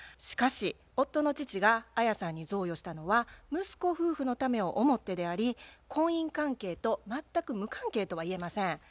しかし夫の父がアヤさんに贈与したのは息子夫婦のためを思ってであり婚姻関係と全く無関係とはいえません。